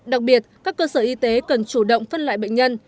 đặc biệt các cơ sở y tế cần chủ động phân loại bệnh nhân